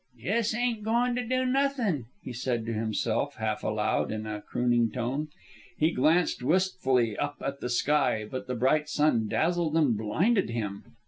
"Jes' ain't goin' to do nothin'," he said to himself, half aloud, in a crooning tone. He glanced wistfully up at the sky, but the bright sun dazzled and blinded him.